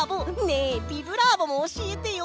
ねえ「ビブラーボ！」もおしえてよ！